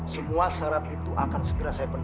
semua syarat itu akan segera saya penuhi